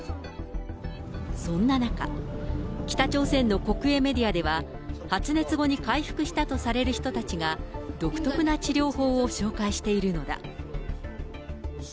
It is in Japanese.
そんな中、北朝鮮の国営メディアでは、発熱後に回復したとされる人たちが、独特な治療法を紹介しているのだ。